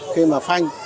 khi mà phanh